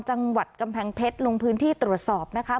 จังหวัดกำแพงเพชรลงพื้นที่ตรวจสอบนะคะ